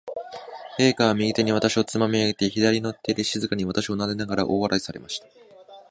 陛下は、右手に私をつまみ上げて、左の手で静かに私をなでながら、大笑いされました。